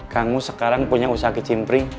kamu sekarang punya usaha kecimpri